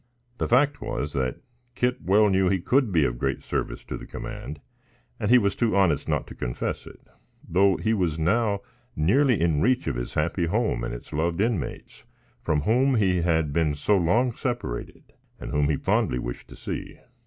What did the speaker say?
The fact was, that Kit well knew he could be of great service to the command, and he was too honest not to confess it, though he was now nearly in reach of his happy home and its loved inmates, from whom he had been so long separated and whom he fondly wished to see.